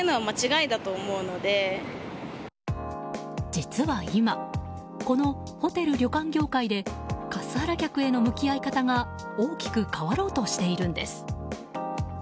実は今このホテル・旅館業界でカスハラ客への向き合い方が大きく変わろうとしているんです。